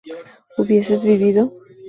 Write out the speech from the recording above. ¿hubieses vivido?